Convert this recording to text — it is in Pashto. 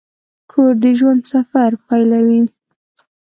کور د ژوند سفر پیلوي.